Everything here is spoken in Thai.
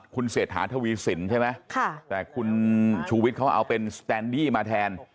คุณเศรษฐาทวีสินใช่ไหมแต่คุณชูวิทย์เขาเอาเป็นสแตนดี้มาแทน